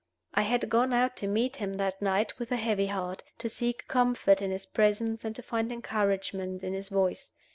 I had gone out to meet him that night with a heavy heart, to seek comfort in his presence and to find encouragement in his voice.